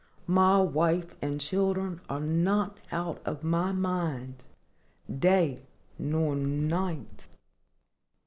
My wife and children are not out of my mind day nor night.